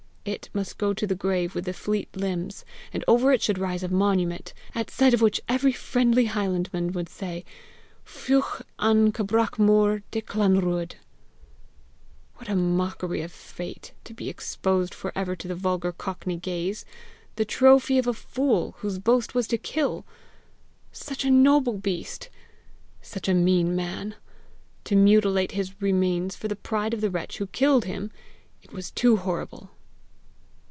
It must go to the grave with the fleet limbs! and over it should rise a monument, at sight of which every friendly highlandman would say, Feiich an cabracli mor de Clanruadli! What a mockery of fate to be exposed for ever to the vulgar Cockney gaze, the trophy of a fool, whose boast was to kill! Such a noble beast! Such a mean man! To mutilate his remains for the pride of the wretch who killed him! It was too horrible!